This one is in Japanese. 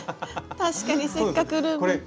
確かにせっかくループ。